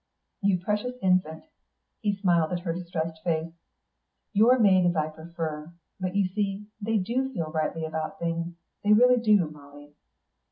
"You precious infant." He smiled at her distressed face. "You're made as I prefer. But you see, they do feel rightly about things; they really do, Molly."